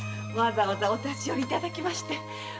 わざわざお立ち寄りいただきまして。